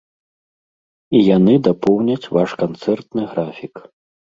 І яны дапоўняць ваш канцэртны графік.